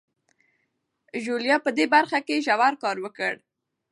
ژوليا په دې برخه کې ژور کار وکړ.